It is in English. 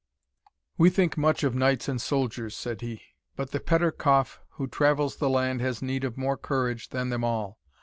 "We think much of knights and soldiers," said he; "but the pedder coffe who travels the land has need of more courage than them all.